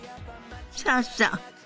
そうそう。